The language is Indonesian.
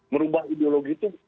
merubah ideologi itu